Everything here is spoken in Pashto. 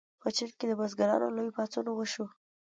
په چین کې د بزګرانو لوی پاڅون وشو.